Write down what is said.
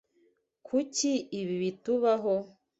Kuki ibi bitubaho?